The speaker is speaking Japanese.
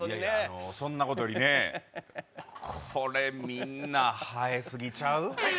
そんなことよりね、これ、みんな生えすぎちゃう？